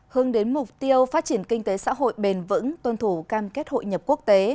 hướng đến mục tiêu phát triển kinh tế xã hội bền vững tuân thủ cam kết hội nhập quốc tế